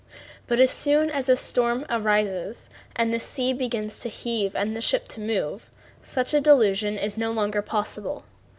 But as soon as a storm arises and the sea begins to heave and the ship to move, such a delusion is no longer possible.